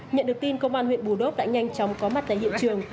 nhận được tin công an huyện bù đốc đã nhanh chóng có mặt tại hiện trường